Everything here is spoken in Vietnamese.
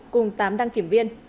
cùng tám đăng kiểm viên